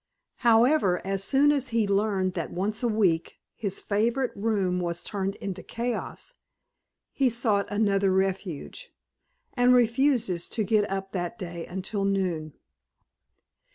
However, as soon as he learned that once a week his favorite room was turned into chaos, he sought another refuge, and refuses to get up that day until noon.